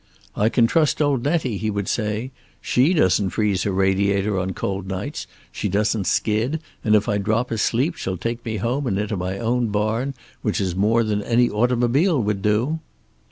"I can trust old Nettie," he would say. "She doesn't freeze her radiator on cold nights, she doesn't skid, and if I drop asleep she'll take me home and into my own barn, which is more than any automobile would do."